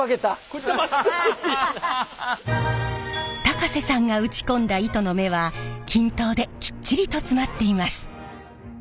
高瀬さんが打ち込んだ糸の目は均等できっちりと詰まっています。